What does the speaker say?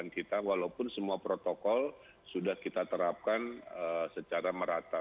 atau kita di luar dugaan kita walaupun semua protokol sudah kita terapkan secara merata